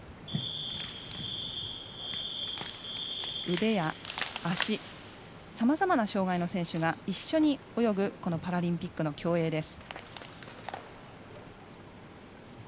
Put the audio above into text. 腕や足さまざまな障がいの選手が一緒に泳ぐパラリンピックの競泳です。